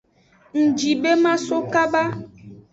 Ngji be maso kaba.